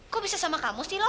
kok bisa sama kamu sih loh